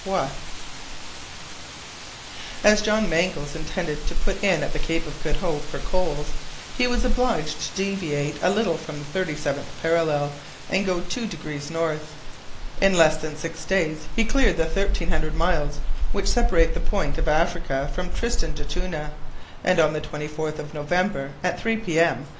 VIOT As John Mangles intended to put in at the Cape of Good Hope for coals, he was obliged to deviate a little from the 37th parallel, and go two degrees north. In less than six days he cleared the thirteen hundred miles which separate the point of Africa from Tristan d'Acunha, and on the 24th of November, at 3 P. M.